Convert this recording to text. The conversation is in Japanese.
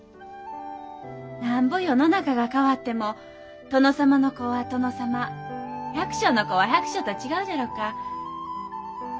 なんぼ世の中が変わっても殿様の子は殿様百姓の子は百姓と違うじゃろか。